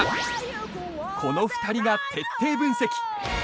この２人が徹底分析！